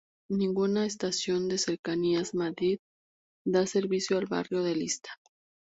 Ninguna estación de Cercanías Madrid da servicio al barrio de Lista.